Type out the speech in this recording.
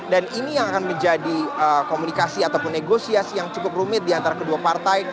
dan ini yang akan menjadi komunikasi ataupun negosiasi yang cukup rumit di antara kedua partai